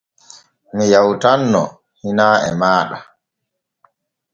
Mi yawtanno hinaa e maaɗa.